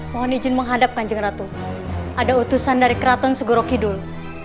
mohon izin menghadapkan jengratu ada utusan dari keraton segoro kidul